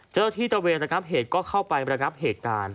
เจ้าที่ตะเวนระงับเหตุก็เข้าไประงับเหตุการณ์